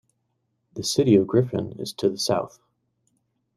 The city of Griffin is to the south.